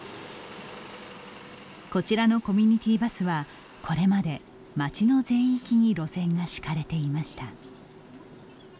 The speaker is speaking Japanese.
こちらのコミュニティバスはこれまで町の全域に路線が敷かれていました。